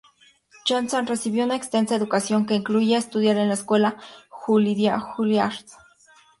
Johnson recibió una extensa educación, que incluía estudiar en la Escuela Juilliard.